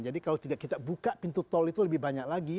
jadi kalau tidak kita buka pintu tol itu lebih banyak lagi